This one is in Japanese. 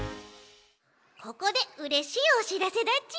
ここでうれしいおしらせだち！